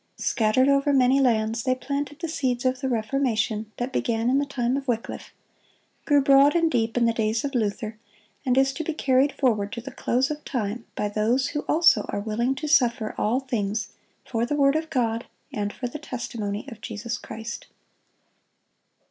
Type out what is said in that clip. Scattered over many lands, they planted the seeds of the Reformation that began in the time of Wycliffe, grew broad and deep in the days of Luther, and is to be carried forward to the close of time by those who also are willing to suffer all things for "the word of God, and for the testimony of Jesus Christ."